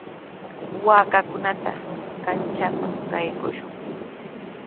Waakakunata kanchanman qaykushun.